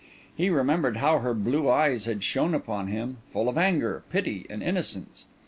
He remembered how her blue eyes had shone upon him, full of anger, pity, and innocence.